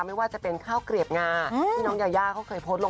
ไม่ว่าจะเป็นข้าวเกลียบงาที่น้องยายาเขาเคยโพสต์ลง